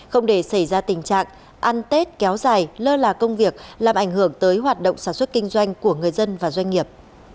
không để xảy ra tình trạng ăn tết kéo dài lơ là công việc làm ảnh hưởng tới hoạt động sản xuất kinh doanh của người dân và doanh nghiệp